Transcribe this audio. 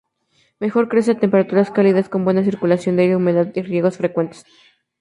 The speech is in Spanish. Mejor crece a temperaturas cálidas, con buena circulación del aire, humedad y riegos frecuentes.